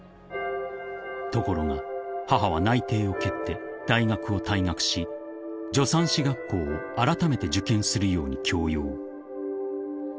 ［ところが母は内定を蹴って大学を退学し助産師学校をあらためて受験するように強要］